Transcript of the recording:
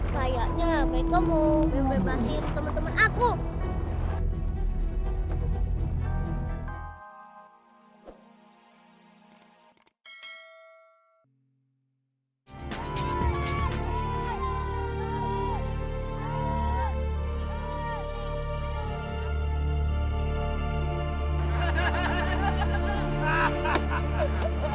kayaknya mereka mau bebasin teman teman aku